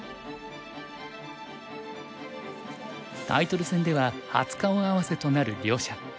タイトル戦では初顔合わせとなる両者。